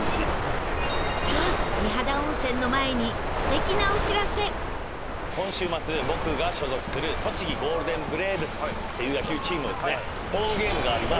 さあ美肌温泉の前に今週末僕が所属する栃木ゴールデンブレーブスっていう野球チームのですねホームゲームがあります。